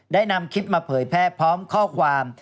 นำคลิปมาเผยแพร่พร้อมข้อความ